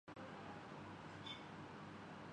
حکم چلتا تھا۔